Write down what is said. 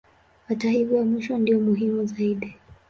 Hata hivyo ya mwisho ndiyo muhimu zaidi.